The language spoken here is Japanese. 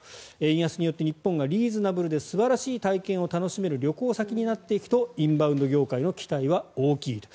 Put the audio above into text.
円安によって日本がリーズナブルで素晴らしい体験を楽しめる旅行先になっていくとインバウンド業界の期待は大きいと。